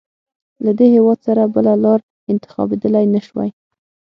له دې هېواد سره بله لاره انتخابېدلای نه شوای.